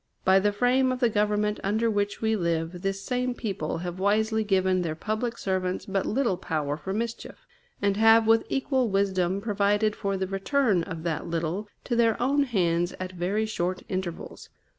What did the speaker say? By the frame of the Government under which we live, this same people have wisely given their public servants but little power for mischief, and have with equal wisdom provided for the return of that little to their own hands at very short intervals.